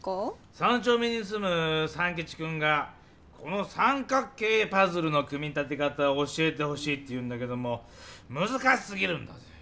三ちょう目にすむ三吉くんがこの三角形パズルの組み立て方を教えてほしいっていうんだけどむずかしすぎるんだぜぇ。